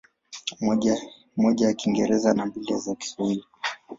Moja ya Kiingereza na mbili za Kiswahili.